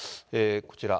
こちら。